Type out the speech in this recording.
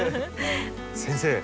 先生